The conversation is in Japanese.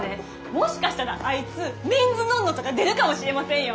もしかしたらあいつ「ＭＥＮ’ＳＮＯＮ−ＮＯ」とか出るかもしれませんよ。